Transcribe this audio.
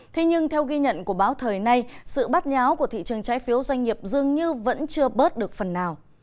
thế nhưng theo ghi nhận của báo thời nay sự bắt nháo của thị trường trái phiếu doanh nghiệp dường như vẫn chưa bớt được phần nào